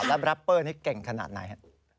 แล้วแรปเปอร์นี้เก่งขนาดไหนฮะ